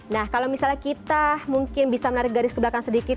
nah kalau misalnya kita mungkin bisa menarik garis ke belakang sedikit